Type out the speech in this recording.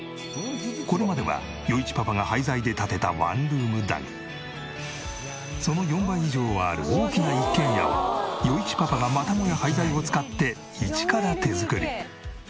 これまでは余一パパが廃材で建てたワンルームだがその４倍以上はある大きな一軒家を余一パパがまたもや廃材を使って一から手作り。